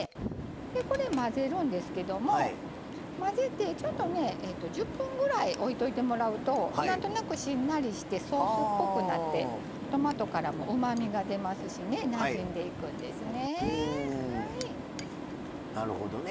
これ混ぜるんですけど１０分ぐらい置いてもらうとなんとなくしんなりしてソースっぽくなってトマトからも、うまみが出ますしなじんでいくんですね。